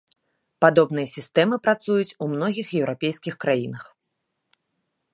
Падобныя сістэмы працуюць у многіх еўрапейскіх краінах.